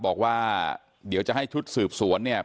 บอกว่าเดี๋ยวจะให้ชุดสืบสวนเนี่ย